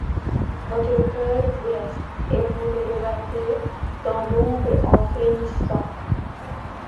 Votre cœur vous reste, et vous le regardez dans l’ombre en frémissant.